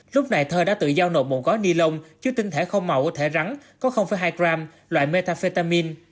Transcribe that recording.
lúc này thơ đã tự giao nộp một gói ni lông chứa tinh thể không màu của thể rắn có hai gram loại metafetamin